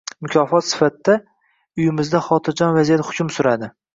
Mukofot sifatida – uyimizda xotirjam vaziyat hukm suradi